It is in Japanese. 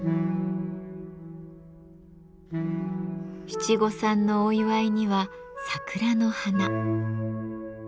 七五三のお祝いには桜の花。